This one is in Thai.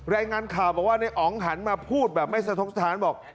แรงงานข่าวว่าในอ๋องหันมาพูดแบบไม่สะทดสารบอก